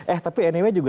eh tapi anyway juga